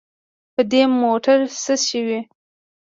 په دې موټر څه شوي.